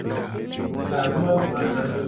Sa nu agbana.